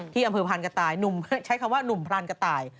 ที่อำเภอพรานกระต่ายหนุ่มใช้คำว่าหนุ่มพรานกระต่าย